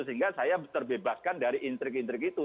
sehingga saya terbebaskan dari intrik intrik itu